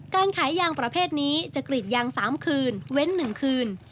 การขายยางประเภทนี้จะกรีดยาง๓คืนเว้น๑คืน